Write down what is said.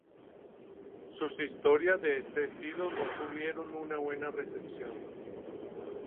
Sus historias de este estilo no tuvieron una buena recepción.